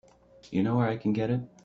You know where I can get it?